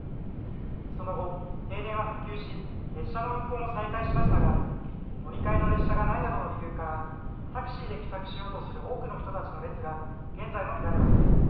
その後、停電は復旧し列車の運行も再開しましたが乗り換えの列車がないなどの理由からタクシーで帰宅しようとする多くの人たちの列が現在も見られます。